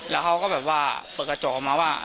แล้วเขาก็แบบว่าเปิดกระจกออกมาว่า